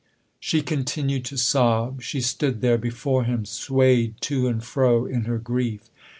" She continued to sob ; she stood there before him swayed to and fro in her grief.